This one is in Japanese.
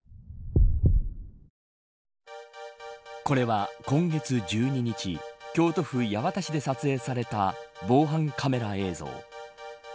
これは今月１２日京都府八幡市で撮影された防犯カメラ映像。